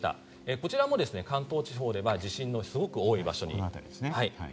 こちらも関東地方で地震のすごく多い場所です。